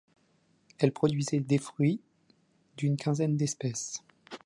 Elle produisait de fruits, d'une quinzaine d'espèces.